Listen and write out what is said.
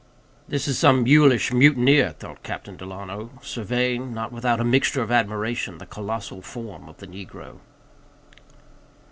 This is some mulish mutineer, thought Captain Delano, surveying, not without a mixture of admiration, the colossal form of the negro.